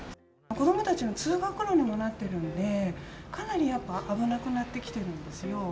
子どもたちの通学路にもなっているので、かなりやっぱ、危なくなってきてるんですよ。